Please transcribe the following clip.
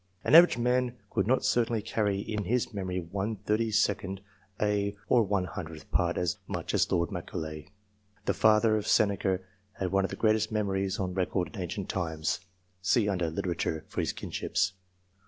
An average man could not certainly carry in his memory one thirty second ay, or one hundredth part as much as Lord Macaulay. The father of Seneca had one of the greatest memories on record in ancient times (see under " LITERATURE " for his kinships).